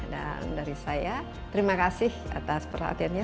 dari saya terima kasih atas perhatiannya